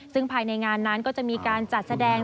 ซึ่งภายในงานนั้นก็จะมีการจัดแสดง